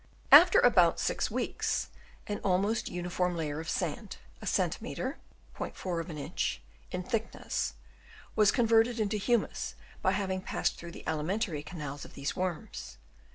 After about 6 weeks an almost uniform layer of sand, a centimeter (*4 inch) in thickness, was con verted into humus by having passed through the alimentary canals of these two worms.